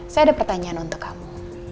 saya ada pertanyaan untuk kamu